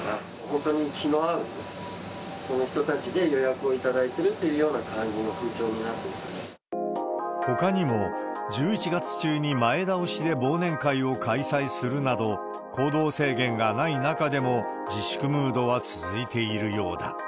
本当に気の合う、そういう人たちで予約をいただいてるという感じの風潮になってまほかにも、１１月中に前倒しで忘年会を開催するなど、行動制限がない中でも自粛ムードは続いているようだ。